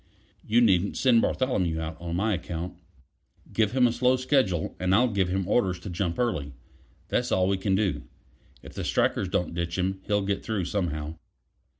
You needn't send Bartholomew out on my account." "Give him a slow schedule, and I'll give him orders to jump early; that's all we can do. If the strikers don't ditch him, he'll get through somehow."